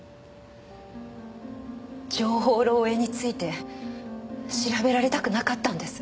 情報漏洩について調べられたくなかったんです。